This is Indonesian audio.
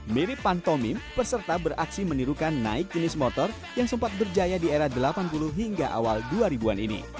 mirip pantomim peserta beraksi menirukan naik jenis motor yang sempat berjaya di era delapan puluh hingga awal dua ribu an ini